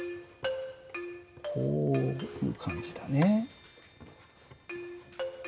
こういう感じだね。